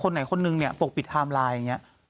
ก็ไปหาคนเนี่ยปกปิดไทม์ไลน์อย่างเงี้ย